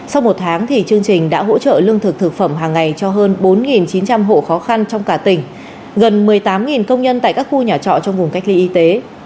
sau một tháng thì chương trình đã hỗ trợ lương thực thực phẩm hàng ngày cho hơn bốn chín trăm linh hộ khó khăn trong cả tỉnh gần một mươi tám công nhân tại các khu nhà trọ trong vùng cách ly y tế